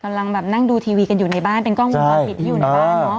กำลังแบบนั่งดูทีวีกันอยู่ในบ้านเป็นกล้องวงจรปิดที่อยู่ในบ้านเนอะ